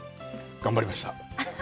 頑張りました。